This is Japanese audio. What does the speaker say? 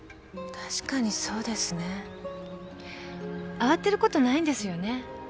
慌てることないんですよね。